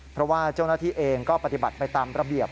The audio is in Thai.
เพราะว่าเจ้าหน้าที่เองก็ปฏิบัติไปตามระเบียบ